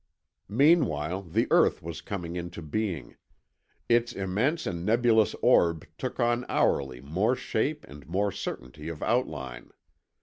"Meanwhile the Earth was coming into being. Its immense and nebulous orb took on hourly more shape and more certainty of outline.